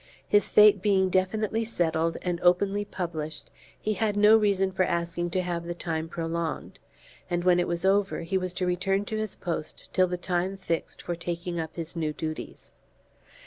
His fate being definitely settled and openly published he had no reason for asking to have the time prolonged, and when it was over he was to return to his post till the time fixed for taking up his new duties.